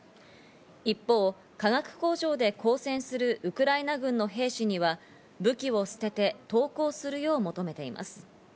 一方、化学工場で抗戦するウクライナ軍の兵士には武器を捨てて投降するよう求めています。